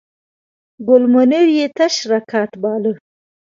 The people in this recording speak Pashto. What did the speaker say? ګل منیر یې تش راکات باله.